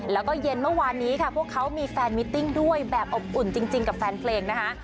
แล้วก็เย็นเมื่อวานนี้ค่ะพวกเขามีแฟนมิติ้งด้วยแบบอบอุ่นจริงกับแฟนเพลงนะคะ